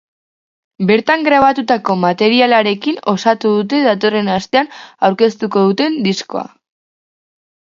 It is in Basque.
Bertan grabatutako materialarekin osatu dute datorren astean aurkeztuko duten diskoa.